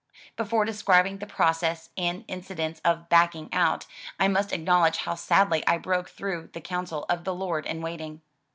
Before describing the process and incidents of "backing out," I must acknowledge how sadly I broke through the counsel of the Lord in Waiting.